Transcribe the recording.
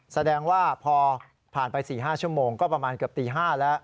แสดงว่าพอผ่านไป๔๕ชั่วโมงก็ประมาณเกือบตี๕แล้ว